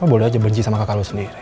lo boleh aja benci sama kakak lo sendiri